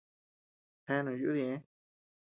Cheanu yúduu ñeʼë.